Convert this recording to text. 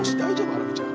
ハラミちゃん。